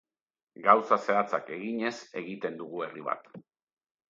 Gauza zehatzak eginez egiten dugu herri bat.